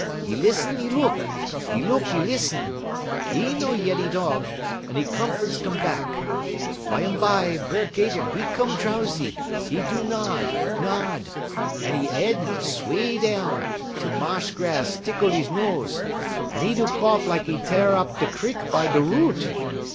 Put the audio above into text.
'E lissen, 'e look; 'e look, 'e lissen. 'E no yeddy Dog, un 'e comforts come back. Bumbye B'er 'Gater, 'e come drowsy; 'e do nod, nod, un 'e head sway down, tel ma'sh grass tickle 'e nose, un 'e do cough sem lak 'e teer up da' crik by da' root.